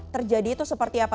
terjadi itu seperti apa